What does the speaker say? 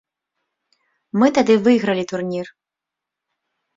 Мы тады выйгралі турнір.